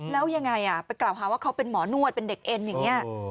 แล้วยังไงไปกล่าวหาว่าเขาเป็นหมอนวดเป็นเด็กเอ็นอย่างนี้